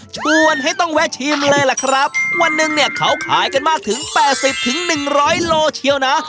ชวนให้ต้องแวะชิมเลยล่ะครับวันหนึ่งเนี่ยเขาขายกันมากถึง๘๐๑๐๐โลเชียวนะ